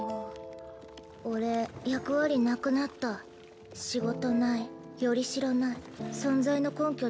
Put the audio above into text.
俺役割なくなった仕事ないよりしろない存在の根拠